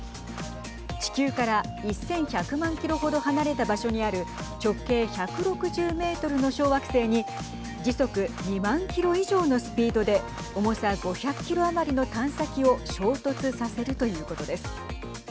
地球から１１００万キロ程離れた場所にある直径１６０メートルの小惑星に時速２万キロ以上のスピードで重さ５００キロ余りの探査機を衝突させるということです。